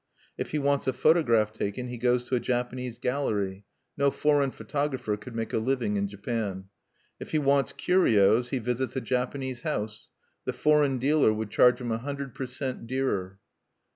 If he wants a photograph taken he goes to a Japanese gallery: no foreign photographer could make a living in Japan. If he wants curios he visits a Japanese house; the foreign dealer would charge him a hundred per cent. dearer.